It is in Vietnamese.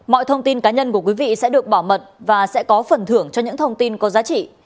mọi thông tin cá nhân của quý vị sẽ được bảo mật và sẽ có phần thưởng cho những thông tin có giá trị